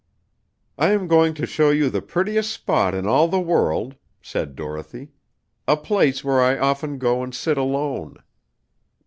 "I am going to show you the prettiest spot in all the world," said Dorothy, "a place where I often go and sit alone."